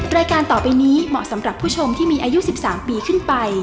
รายการต่อไปนี้เหมาะสำหรับผู้ชมที่มีอายุ๑๓ปีขึ้นไป